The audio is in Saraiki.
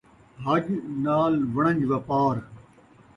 حج ، نال وݨج وپار